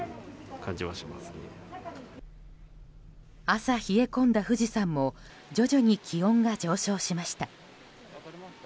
朝冷え込んだ富士山も徐々に気温が上昇しました。